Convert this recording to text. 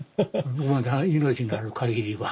命のある限りは。